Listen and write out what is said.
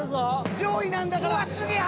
上位なんだから。